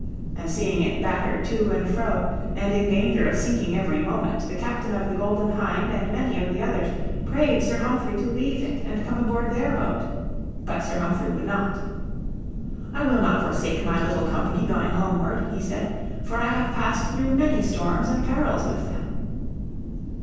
And seeing it battered to and fro, and in danger of sinking every moment, the captain of the Golden Hind and many others prayed Sir Humphrey to leave it and come aboard their boat. But Sir Humphrey would not. "I will not forsake my little company going homeward,' he said. "For I have passed through many storms and perils with them."